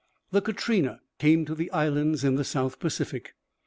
The Katrina came to the islands in the South Pacific.